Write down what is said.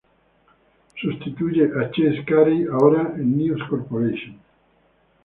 Sustituye a Chase Carey, ahora en News Corporation.